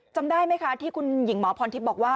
จำได้ไหมคะที่คุณหญิงหมอพรทิพย์บอกว่า